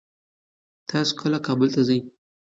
تاسو کله کابل ته ځئ؟